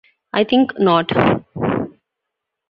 I think not.